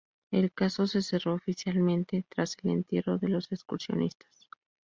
El caso se cerró oficialmente tras el entierro de los excursionistas.